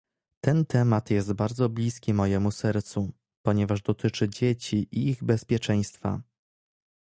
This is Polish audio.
Ten temat jest bardzo bliski mojemu sercu, ponieważ dotyczy dzieci i ich bezpieczeństwa